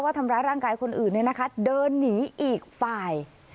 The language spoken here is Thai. ทำร้ายร่างกายคนอื่นเนี่ยนะคะเดินหนีอีกฝ่าย